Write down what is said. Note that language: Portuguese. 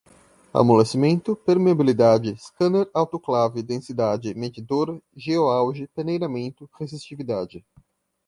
amolecimento, permeabilidade, scanner, autoclave, densidade, medidor, geoauge, peneiramento, resistividade